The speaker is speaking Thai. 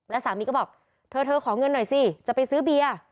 แล้วสามีก็บอกเธอขอเงินหน่อยสิจะไปซื้อเบียร์